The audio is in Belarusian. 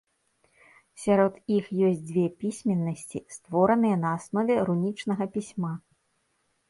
Сярод іх ёсць дзве пісьменнасці, створаныя на аснове рунічнага пісьма.